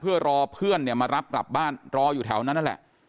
เพื่อรอเพื่อนเนี่ยมารับกลับบ้านรออยู่แถวนั้นนั่นแหละ